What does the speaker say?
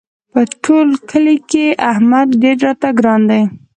په ټول کلي احمد ډېر راته ګران دی.